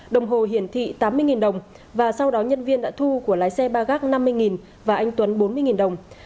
đồng hồ hiển thị tám mươi đồng và sau đó nhân viên đã thu của lái xe ba gác năm mươi và anh tuấn bốn mươi đồng